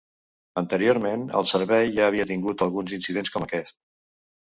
Anteriorment el servei ja havia tingut alguns incidents com aquest.